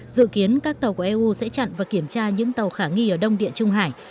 dự kiến các tàu của eu sẽ chặn và kiểm tra những tàu khả nghi ở đông địa trung hải